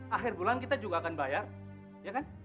akhir bulan kita juga akan bayar ya kan